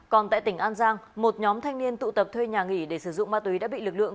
còn tại tỉnh an giang một nhóm thanh niên tụ tập thuê nhà nghỉ để sử dụng ma túy đã bị lực lượng